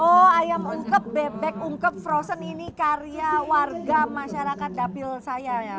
oh ayam ungkep bebek ungkep frozen ini karya warga masyarakat dapil saya ya